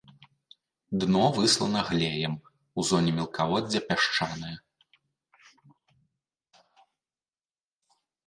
Дно выслана глеем, у зоне мелкаводдзя пясчанае.